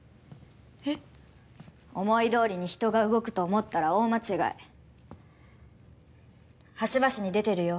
えっ？思いどおりに人が動くと思ったら大間違い端々に出てるよ